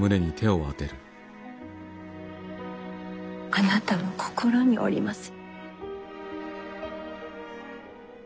あなたの心におります。